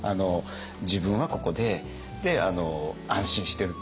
自分はここで安心してるっていうか